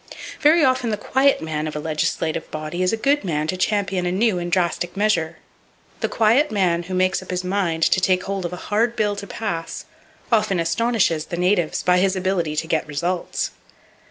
Very often the "quiet man" of a legislative body is a good man to champion a new and drastic measure. The quiet man who makes up his mind to take hold of "a hard bill to pass" often astonishes the natives by his ability to get results.